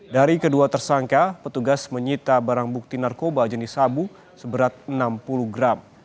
dari kedua tersangka petugas menyita barang bukti narkoba jenis sabu seberat enam puluh gram